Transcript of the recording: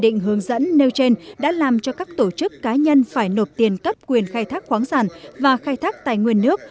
định hướng dẫn nêu trên đã làm cho các tổ chức cá nhân phải nộp tiền cấp quyền khai thác khoáng sản và khai thác tài nguyên nước